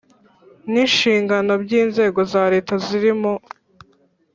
N inshingano by inzego za leta ziri mu